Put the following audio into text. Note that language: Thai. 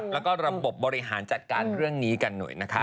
แล้วก็ระบบมริหารจัดการเรื่องนี้กันเลยนะครับ